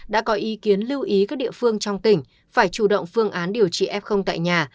đã có ý kiến lưu ý các địa phương trong tỉnh phải chủ động phương án điều trị f tại nhà